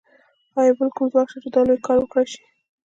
ایا بل کوم ځواک شته چې دا لوی کار وکړای شي